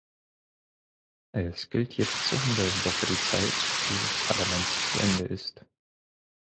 Es gilt, jetzt zu handeln, bevor die Zeit dieses Parlaments zu Ende ist.